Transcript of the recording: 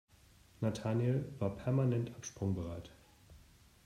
Nathanael war permanent absprungbereit.